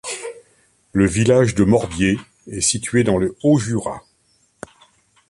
Le village de Morbier est situé dans le Haut-Jura.